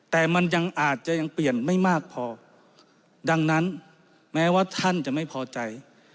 แต่มันยังอาจจะยังเปลี่ยนไม่มากพอดังนั้นแม้ว่าท่านจะไม่พอใจ